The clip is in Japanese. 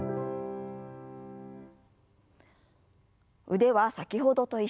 腕は先ほどと一緒です。